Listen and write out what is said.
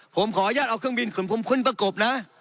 ผมขออย่างเอาเครื่องบินคุณพรมคุณประกบนะ